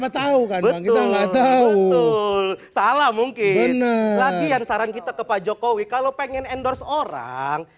tahu kan kita enggak tahu salah mungkin lagi yang saran kita ke pak jokowi kalau pengen endorse orang